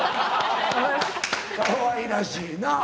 かわいらしいな。